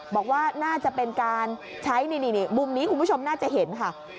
บอกว่าน่าจะเป็นการใช้นี่มุมนี้คุณผู้ชมน่าจะเห็นค่ะ